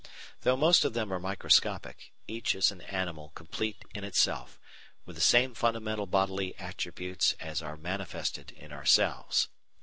Though most of them are microscopic, each is an animal complete in itself, with the same fundamental bodily attributes as are manifested in ourselves.